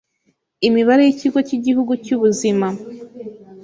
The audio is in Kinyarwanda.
imibare y'ikigo cy'igihugu cy'ubuzima